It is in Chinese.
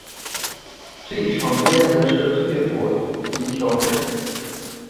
最常见的是退火及调质。